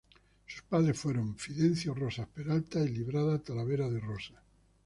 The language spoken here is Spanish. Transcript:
Sus padres fueron Fidencio Rosas Peralta y Librada Talavera de Rosas.